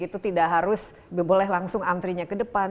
itu tidak harus boleh langsung antrinya ke depan